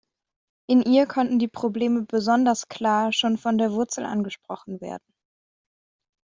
In ihr konnten die Probleme besonders klar schon von der Wurzel angesprochen werden.